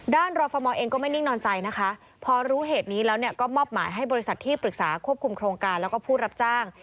รอฟมเองก็ไม่นิ่งนอนใจนะคะพอรู้เหตุนี้แล้วก็มอบหมายให้บริษัทที่ปรึกษาควบคุมโครงการแล้วก็ผู้รับจ้าง